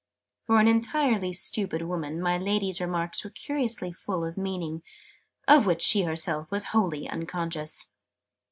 For an entirely stupid woman, my Lady's remarks were curiously full of meaning, of which she herself was wholly unconscious.